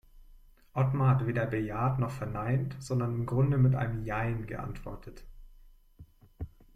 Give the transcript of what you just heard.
Otmar hat weder bejaht noch verneint, sondern im Grunde mit einem Jein geantwortet.